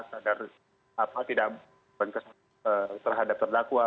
sadar tidak berkesan terhadap terdakwa